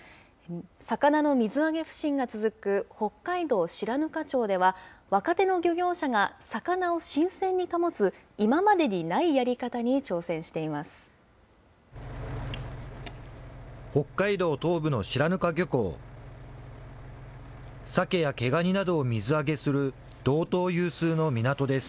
魚の水揚げ不振が続く北海道白糠町では、若手の漁業者が魚を新鮮に保つ、今までにないやり方に挑戦しています。